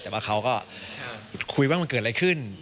แต่ว่าเขาก็คุยว่ามันเกิดอะไรขึ้น